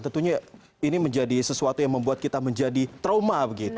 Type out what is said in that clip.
tentunya ini menjadi sesuatu yang membuat kita menjadi trauma